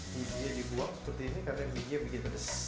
biji dibuang seperti ini karena bijinya bikin pedes